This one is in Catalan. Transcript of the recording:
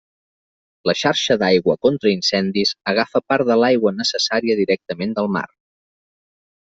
La xarxa d'aigua contra incendis agafa part de l'aigua necessària directament del mar.